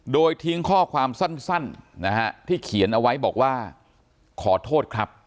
โดยทิ้งข้อความสั้นนะฮะที่เขียนเอาไว้บอกว่าขอโทษครับ